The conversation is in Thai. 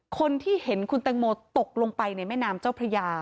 คนที่เห็นคุณแตงโมตกลงไปในแม่น้ำเจ้าพระยา